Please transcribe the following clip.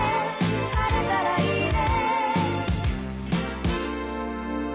「晴れたらいいね」